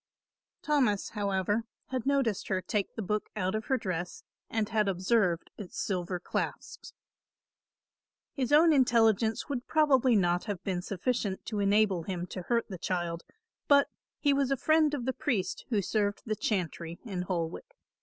Thomas, however, had noticed her take the book out of her dress and had observed its silver clasps. His own intelligence would probably not have been sufficient to enable him to hurt the child, but he was a friend of the priest who served the chantry in Holwick.